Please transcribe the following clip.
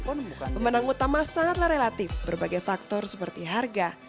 pemenang utama sangatlah relatif berbagai faktor seperti harga